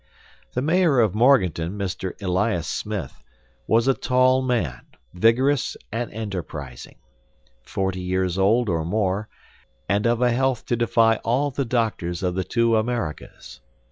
The mayor of Morganton, Mr. Elias Smith, was a tall man, vigorous and enterprising, forty years old or more, and of a health to defy all the doctors of the two Americas.